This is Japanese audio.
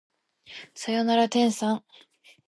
さよなら天さん